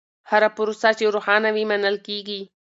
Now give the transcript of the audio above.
هره پروسه چې روښانه وي، منل کېږي.